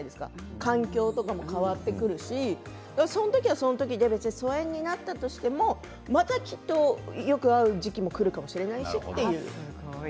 環境とかも変わってくるしその時はその時で別に疎遠になったとしてもまたきっとよく合う時期もくるかもしれないしという。